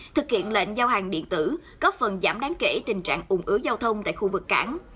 thực hiện lệnh giao hàng điện tử góp phần giảm đáng kể tình trạng ủng ứ giao thông tại khu vực cảng